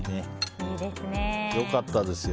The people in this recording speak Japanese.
良かったですよ。